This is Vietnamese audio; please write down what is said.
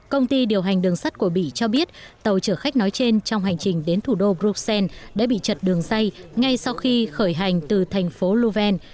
công ty điều hành đường sắt của bỉ cho biết tàu chở khách nói trên trong hành trình đến thủ đô bruxelles đã bị chật đường dây ngay sau khi khởi hành từ thành phố louven